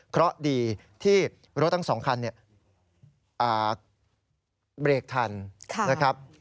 เพราะดีที่รถทั้ง๒คันเบรกทันนะครับ